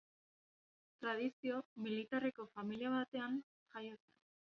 Tradizio militarreko familia batean jaio zen.